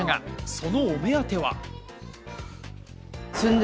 そのお目当ては。